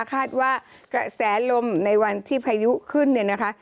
คาดว่ากระแสลมในวันที่พายุขึ้นเนี่ยนะคะ